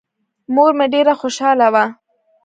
مور مې ډېره خوشاله وه.